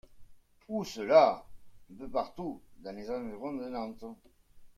Où cela ? Un peu partout, dans les environs de Nantes.